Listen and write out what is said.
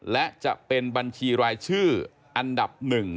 และจะเป็นบัญชีรายชื่ออันดับ๑